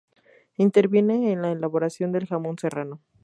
Interviene en la elaboración del jamón serrano.